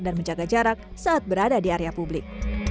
dan menjaga jarak saat berada di area publik